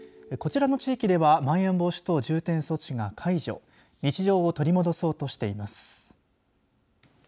こちらの地域ではまん延防止等重点措置が解除、日常を取り戻そうとしています。